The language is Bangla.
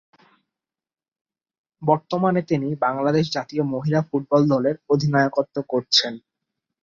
বর্তমানে তিনি বাংলাদেশ জাতীয় মহিলা ফুটবল দলের অধিনায়কত্ব করছেন।